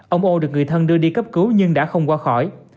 ông o được người thân đưa đi cấp cứu nhưng đã không qua khỏi